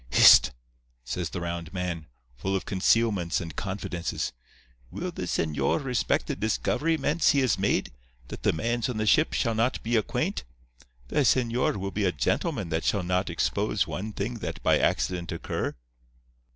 "'Hist!' says the round man, full of concealments and confidences. 'Will the señor respect the discoveryments he has made, that the mans on the ship shall not be acquaint? The señor will be a gentleman that shall not expose one thing that by accident occur.